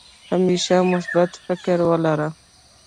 همېشه مثبت فکر ولره